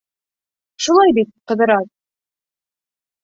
Шулай бит, Ҡыҙырас?